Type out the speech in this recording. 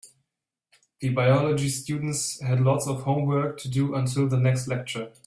The biology students had lots of homework to do until the next lecture.